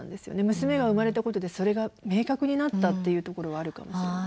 娘が生まれたことでそれが明確になったっていうところはあるかもしれません。